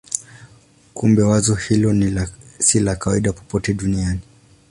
Kumbe wazo hilo si la kawaida popote duniani.